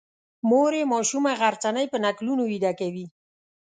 مور یې ماشومه غرڅنۍ په نکلونو ویده کوي.